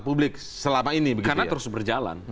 publik selama ini karena terus berjalan